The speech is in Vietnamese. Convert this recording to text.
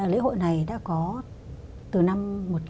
lễ hội này đã có từ năm một nghìn chín trăm sáu mươi bốn